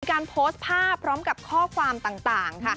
การโพสต์ภาพพร้อมกับข้อความต่างค่ะ